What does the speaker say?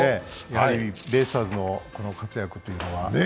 やはりベイスターズの活躍というのは。